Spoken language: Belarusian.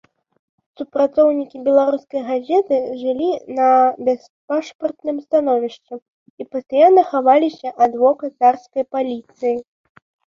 Супрацоўнікі беларускай газеты жылі на бяспашпартным становішчы і пастаянна хаваліся ад вока царскай паліцыі.